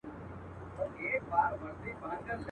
له پاڼو تشه ده ویجاړه ونه.